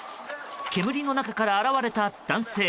煙の中から現れた男性。